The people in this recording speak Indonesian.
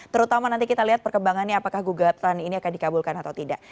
terutama nanti kita lihat perkembangannya apakah gugatan ini akan dikabulkan atau tidak